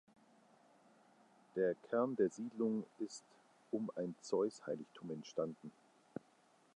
Der Kern der Siedlung ist um ein Zeus-Heiligtum entstanden.